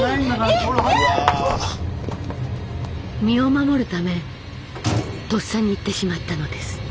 身を守るためとっさに言ってしまったのです。